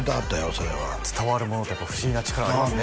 それは伝わるものっていうか不思議な力ありますね